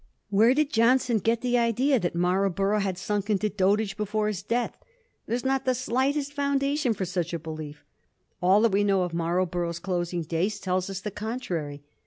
Where did Johnson get the idea that Marlborough had sunk into dotage before his death ? There is not the slightest founda tion for such a belief. All that we know of Marl borough's closing days teUs us the contrary.